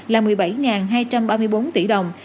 là một mươi bảy hai trăm ba mươi bốn tỷ đồng